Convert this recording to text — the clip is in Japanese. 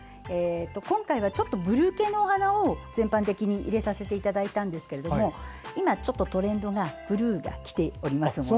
今回は、ブルー系のお花を全般的に入れさせていただいたんですが今、ちょっとトレンドがブルーがきておりますので。